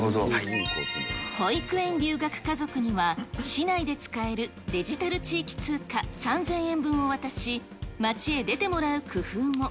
保育園留学家族には、市内で使えるデジタル地域通貨３０００円分を渡し、街へ出てもらう工夫も。